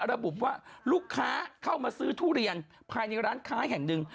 ระบุว่าลูกค้าเข้ามาซื้อทุเรียนภายในร้านค้าแห่งหนึ่ง